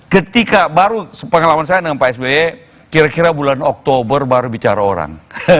ketika baru sepengalaman saya dengan pak sby kira kira bulan oktober baru bicara orang